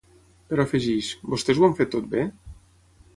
Però afegeix: ‘Vostès ho han fet tot bé?’